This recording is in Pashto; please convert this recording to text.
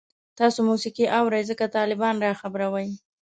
تاسو موسیقی اورئ؟ څنګه، طالبان را خبروئ